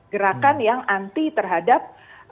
gerakan yang anti terhadap